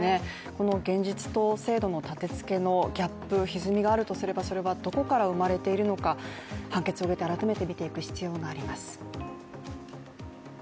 この現実と制度の立てつけのギャップひずみがあるとすれば、それはどこから生まれているのか判決を受けて改めてみていく必要があります。